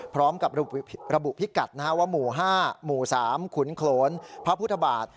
พร้อมกับระบุพิกัดว่าหมู่๕หมู่๓ขุนโขลนพระพุทธบาท